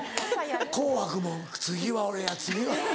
『紅白』も次は俺や次は。